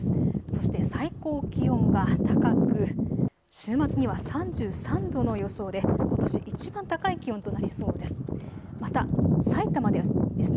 そして最高気温が高く週末には３３度の予想でことしいちばん高い気温となりそうです。